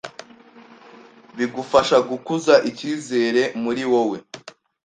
bigufasha gukuza icyizere muri wowe.